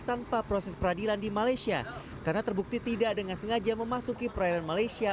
tanpa proses peradilan di malaysia karena terbukti tidak dengan sengaja memasuki perairan malaysia